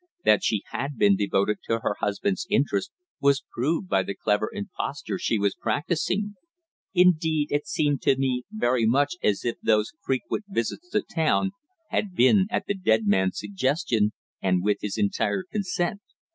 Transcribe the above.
That she had been devoted to her husband's interest was proved by the clever imposture she was practising; indeed it seemed to me very much as if those frequent visits to town had been at the "dead" man's suggestion and with his entire consent.